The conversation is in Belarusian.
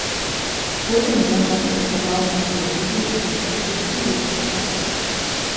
Потым ён распрацаваў марфалогію, сінтаксіс і лексіку.